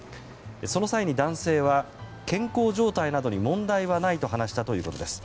その際に男性は健康状態などに問題はないと話したということです。